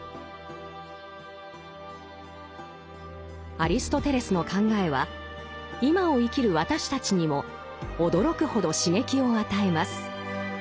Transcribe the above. アリストテレスの考えは今を生きる私たちにも驚くほど刺激を与えます。